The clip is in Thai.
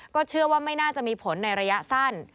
เชื่อว่าไม่น่าจะมีผลในระยะสั้น